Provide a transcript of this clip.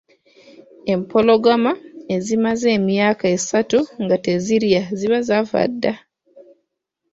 Empologoma ezimaze emyaka esatu nga tezirya ziba zaafa dda.